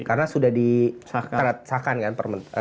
karena sudah disahkan kan